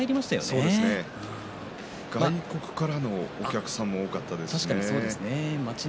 外国からのお客さんも多かったですしね。